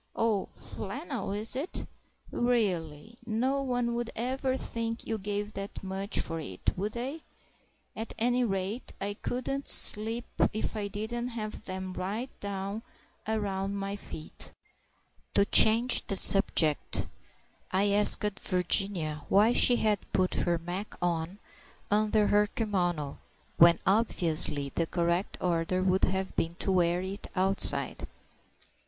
Oh, flannel is it?... Really! no one would ever think you gave that much for it, would they? At any rate I couldn't sleep if I didn't have them right down around my feet." To change the subject I asked Virginia why she had put her mac. on under her kimono, when obviously the correct order would have been to wear it outside.